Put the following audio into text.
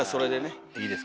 いいですから。